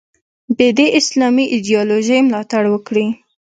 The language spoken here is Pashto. د دې اسلامي ایدیالوژۍ ملاتړ وکړي.